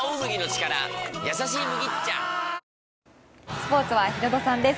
スポーツはヒロドさんです。